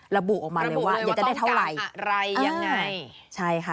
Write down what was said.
ระบุออกมาเลยว่าอยากจะได้เท่าไหร่